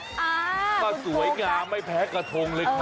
อ๋อคุณโฟกราบสวยงามไม่แพ้กระทงเลยค่ะ